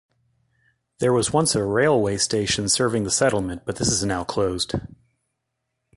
There was once a railway station serving the settlement, but this is now closed.